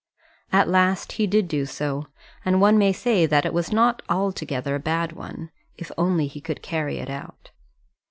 At last he did do so, and one may say that it was not altogether a bad one, if only he could carry it out.